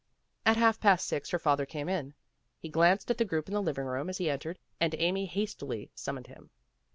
At half past six her father came in. He glanced at the group in the living room as he entered, and Amy hastily summoned him.